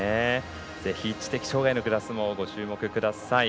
ぜひ知的障がいのクラスもご注目ください。